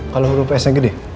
kalo huruf s yang gede